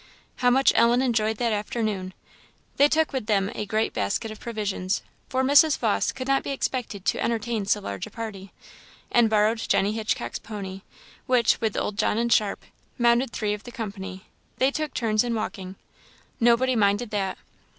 How much Ellen enjoyed that afternoon! They took with them a great basket of provisions, for Mrs. Vawse could not be expected to entertain so large a party; and borrowed Jenny Hitchcock's pony, which, with old John and Sharp, mounted three of the company; they took turns in walking. Nobody minded that.